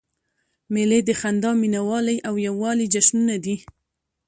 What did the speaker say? مېلې د خندا، مینوالۍ او یووالي جشنونه دي.